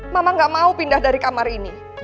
mama gak mau pindah dari kamar ini